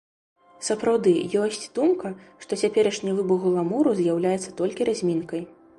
Сапраўды, ёсць думка, што цяперашні выбух гламуру з'яўляецца толькі размінкай.